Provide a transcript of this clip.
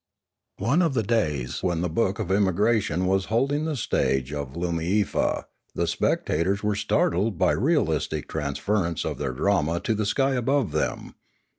487 488 Limanora One of the days when the book of Emigration was holding the stage of Loomiefa, the spectators were startled by realistic transference of their drama to the sky above them.